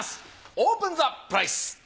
オープンザプライス！